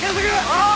ああ！